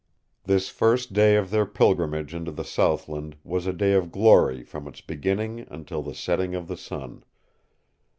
This first day of their pilgrimage into the southland was a day of glory from its beginning until the setting of the sun.